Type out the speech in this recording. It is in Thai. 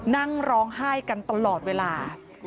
นั่งร้องไห้กันตลอดเวลา